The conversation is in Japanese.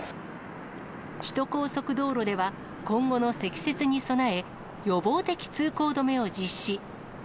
首都高速道路では、今後の積雪に備え、予防的通行止めを実施。